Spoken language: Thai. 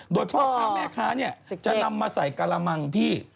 โดยพ่อค้าแม่ค้าเนี่ยจะนำมาใส่กระมังพี่